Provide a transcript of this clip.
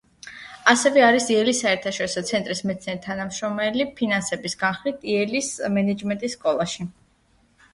ასევე არის იელის საერთაშორისო ცენტრის მეცნიერ-თანამშრომელი ფინანსების განხრით იელის მენეჯმენტის სკოლაში.